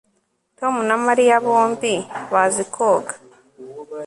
Tom na Mariya bombi bazi koga